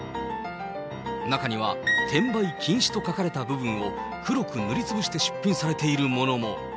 中には転売禁止と書かれた部分を黒く塗りつぶして出品されているものも。